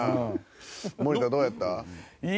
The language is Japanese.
森田、どうやった？